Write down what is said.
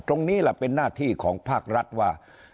ตรงนี้แหละเป็นหน้าที่ของภาครัฐว่า